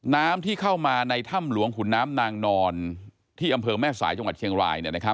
น้ำที่เข้ามาในถ้ำหลวงขุนน้ำนางนอนที่อำเภอแม่สายจังหวัดเชียงราย